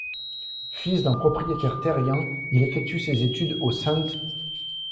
Fils d'un propriétaire terrien, il effectue ses études au St.